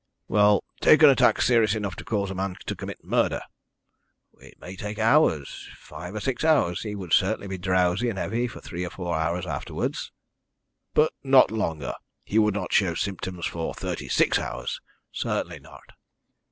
"Well, take an attack serious enough to cause a man to commit murder." "It may take hours five or six hours. He would certainly be drowsy and heavy for three or four hours afterwards." "But not longer he would not show symptoms for thirty six hours?" "Certainly not."